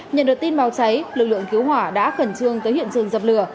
nhận được tin báo cháy lực lượng cứu hỏa đã khẩn trương tới hiện trường dập lửa